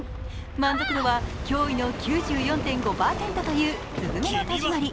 満足度は驚異の９４．５％という「すずめの戸締まり」